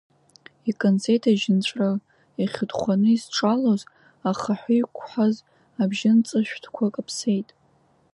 Иканӡеит ажьынҵәры, ихьыдхәаны изҿалоз, ахаҳәиқәхаз абжьынҵашәҭқәа каԥсеит.